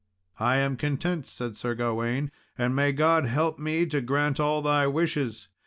"I am content," said Sir Gawain; "and may God help me to grant all thy wishes.